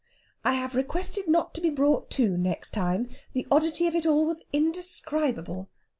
I have requested not to be brought to next time. The oddity of it all was indescribable.